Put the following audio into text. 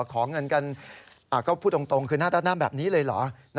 ขอเงินกันก็พูดตรงคือหน้าด้านหน้าแบบนี้เลยเหรอ